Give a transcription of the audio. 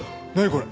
これ。